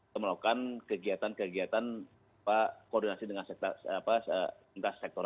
kami melakukan kegiatan kegiatan koordinasi dengan sektor